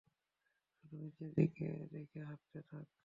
শুধু নিচের দিকে দেখে হাঁটতে থাক।